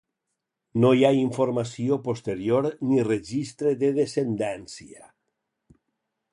No hi ha informació posterior ni registre de descendència.